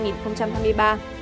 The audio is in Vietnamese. nghị định quy định sẽ gia hạn